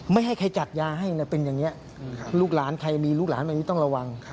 ไม่ให้ใครจัดยาให้นะเป็นอย่างนี้ลูกหลานใครมีลูกหลานแบบนี้ต้องระวัง